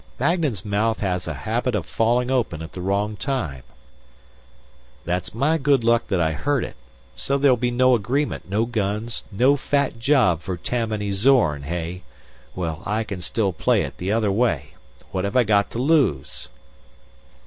"Magnan's mouth has a habit of falling open at the wrong time " "That's my good luck that I heard it. So there'll be no agreement, no guns, no fat job for Tammany Zorn, hey? Well, I can still play it the other way, What have I got to lose?"